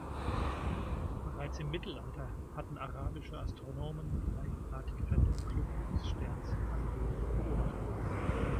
Bereits im Mittelalter hatten arabische Astronomen die eigenartige Verdunklung des Sterns Algol beobachtet.